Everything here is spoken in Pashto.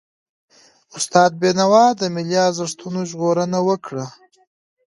استاد بينوا د ملي ارزښتونو ژغورنه وکړه.